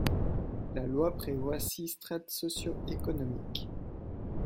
La loi prévoit six strates socio-économiques.